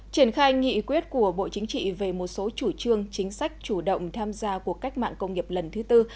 triển khai nghị quyết của bộ chính trị về một số chủ trương chính sách chủ động tham gia cuộc cách mạng công nghiệp lần thứ tư